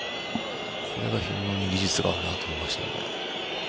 これが、非常に技術があると思いますね。